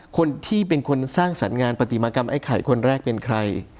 คนที่เป็นคนสร้างสรรค์งานปฏิมากรรมไอ้ไข่คนแรกเป็นใคร